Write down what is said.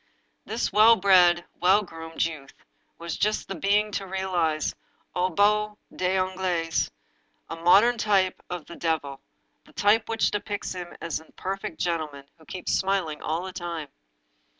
This well bred, well groomed youth was just the being to realize — aux bouts des ongles — ^a modern type of the devil, the type which depicts him as a perfect gentleman, who keeps smiling all the time.